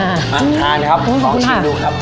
ทานนะครับลองชิมดูครับ